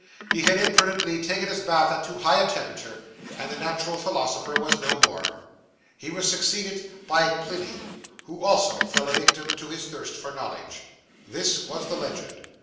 He had imprudently taken a bath at too high a temperature, and the natural philosopher was no more! He was succeeded by Pliny, who also fell a victim to his thirst for knowledge. 'This was the legend.